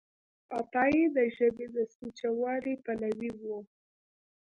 عطایي د ژبې د سوچهوالي پلوی و.